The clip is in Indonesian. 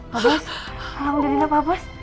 pak bos alhamdulillah pak bos